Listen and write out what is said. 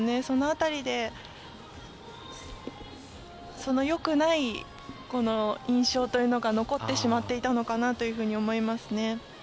その辺りで良くない印象というのが残ってしまっていたのかなと思いますね。